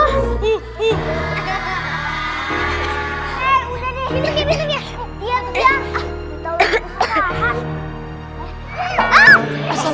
eh udah deh